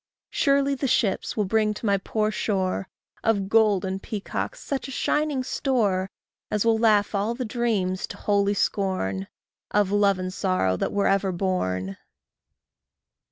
Surely thy ships will bring to my poor shore, Of gold and peacocks such a shining store As will laugh all the dreams to holy scorn, Of love and sorrow that were ever born.